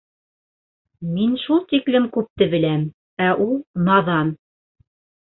Мин шул тиклем күпте беләм, ә ул наҙан!